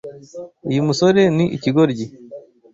Uyu musore ni ikigoryi.